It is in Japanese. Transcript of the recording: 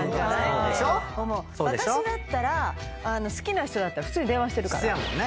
私だったら好きな人だったら普通に電話してるから。